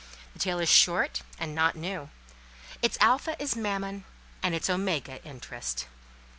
The tale is short, and not new: its alpha is Mammon, and its omega Interest.